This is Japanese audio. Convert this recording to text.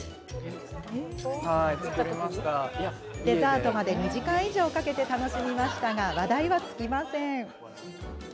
デザートまで２時間以上かけて楽しみましたが話題は尽きません。